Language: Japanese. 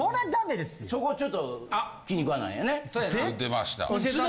そこちょっと気に食わないんよね。